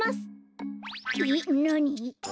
えっなに？